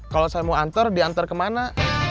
kalau saya mau antar diantar kemana